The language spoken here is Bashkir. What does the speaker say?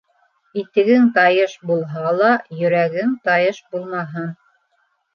Итегең тайыш булһа ла, йөрәгең тайыш булмаһын.